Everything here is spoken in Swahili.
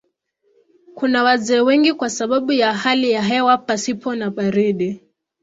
Kuna wazee wengi kwa sababu ya hali ya hewa pasipo na baridi.